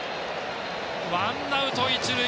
ワンアウト、一塁。